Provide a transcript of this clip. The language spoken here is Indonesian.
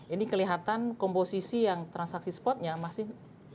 ini kelihatan komposisi yang transaksi spotnya masih